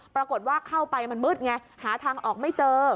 ปรากฏว่าเข้าไปมันมืดไงหาทางออกไม่เจอ